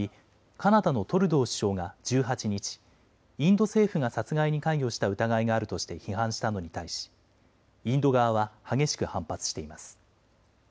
カナダのトルドー首相が１８日、インド政府が殺害に関与した疑いがあるとして批判したのに対しインド側は激しく反発しています。